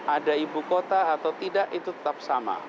ada ibukota atau tidak itu tetap sama